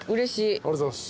ありがとうございます。